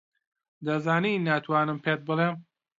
دەزانی ناتوانم پێت بڵێم.